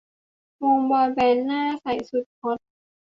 วงบอยแบนด์หน้าใสสุดฮอต